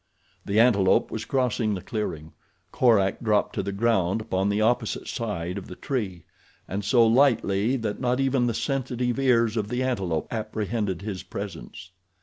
The antelope was crossing the clearing. Korak dropped to the ground upon the opposite side of the tree, and so lightly that not even the sensitive ears of the antelope apprehended his presence.